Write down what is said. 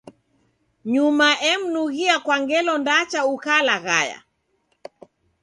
Nyuma emnughia kwa ngelo ndacha ukalaghaya.